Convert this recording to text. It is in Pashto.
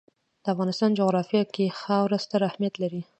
د افغانستان جغرافیه کې خاوره ستر اهمیت لري.